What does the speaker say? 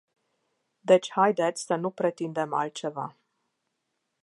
Deci haideți să nu pretindem altceva.